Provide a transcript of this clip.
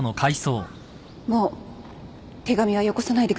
もう手紙はよこさないでください